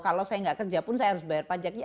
kalau saya tidak kerja pun saya harus bayar pajak ya